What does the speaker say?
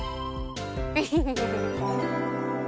フフフフフ。